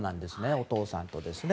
お父さんとですね。